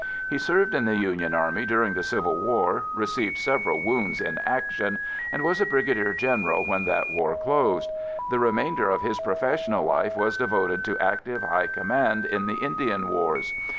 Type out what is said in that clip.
He served in the Union Army during the Civil War, received several wounds in action, and was a brigadier general when that war closed. The remainder of his professional life was devoted to active high command in the Indian wars.